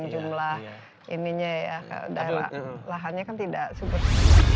jumlah ininya ya daerah lahannya kan tidak sebut